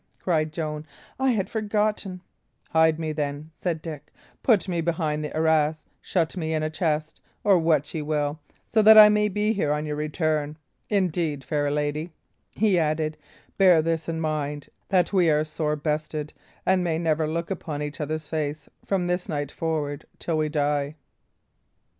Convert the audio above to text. cried Joan. "I had forgotten." "Hide me, then," said Dick, "put me behind the arras, shut me in a chest, or what ye will, so that I may be here on your return. Indeed, fair lady," he added, "bear this in mind, that we are sore bested, and may never look upon each other's face from this night forward till we die."